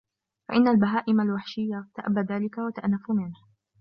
فَإِنَّ الْبَهَائِمَ الْوَحْشِيَّةَ تَأْبَى ذَلِكَ وَتَأْنَفُ مِنْهُ